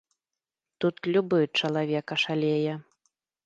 Тут любы чалавек ашалее.